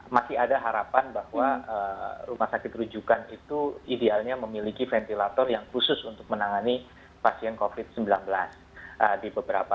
masih ada harapan bahwa rumah sakit rujukan itu idealnya memiliki ventilator yang khusus untuk menangani pasien covid sembilan belas di beberapa